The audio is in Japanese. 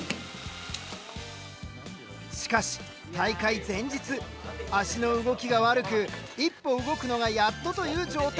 しかし大会前日脚の動きが悪く１歩動くのがやっとという状態。